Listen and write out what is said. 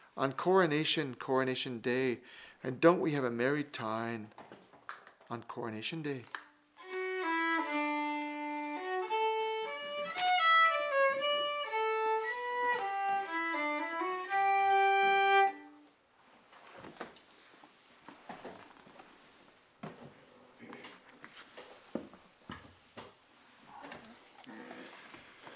On coronation, Coronation day! O, won't we have a merry time On coronation day!